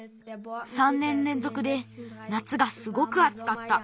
３ねんれんぞくでなつがすごくあつかった。